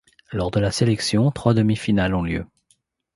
Lors de la sélection, trois demi-finales ont lieu.